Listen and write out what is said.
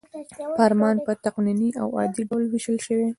فرمان په تقنیني او عادي ډول ویشل شوی.